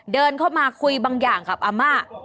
เดินเข้ามาคุยบางอย่างกับอาม่า